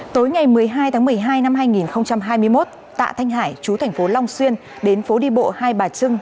tối ngày một mươi hai tháng một mươi hai năm hai nghìn hai mươi một tạ thanh hải chú thành phố long xuyên đến phố đi bộ hai bà trưng